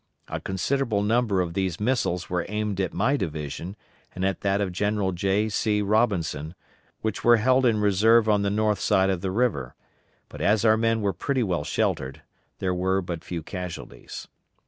A considerable number of these missiles were aimed at my division and at that of General J. C. Robinson, which were held in reserve on the north side of the river; but as our men were pretty well sheltered, there were but few casualties.